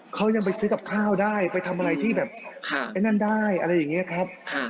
เขายังไปซื้อกับข้าวได้ไปทำอะไรที่แบบไอ้นั่นได้อะไรอย่างนี้ครับ